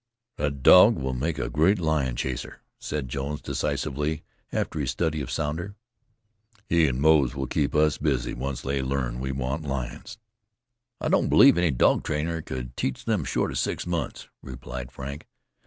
"That dog will make a great lion chaser," said Jones, decisively, after his study of Sounder. "He and Moze will keep us busy, once they learn we want lions." "I don't believe any dog trainer could teach them short of six months," replied Frank.